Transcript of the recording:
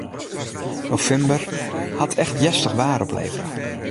Novimber hat echt hjerstich waar oplevere.